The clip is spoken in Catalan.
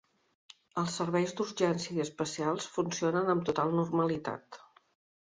Els serveis d’urgència i especials funcionen amb total normalitat.